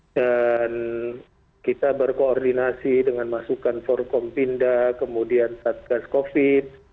dan kita berkoordinasi dengan masukan forkompinda kemudian satgas covid